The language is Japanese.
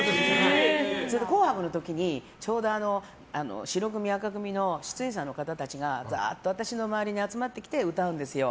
「紅白」の時に白組、紅組の出演者の方たちがザーッと私の周りに集まってきて歌うんですよ。